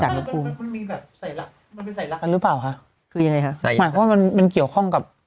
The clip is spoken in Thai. หมายความมันเกี่ยวข้องกับ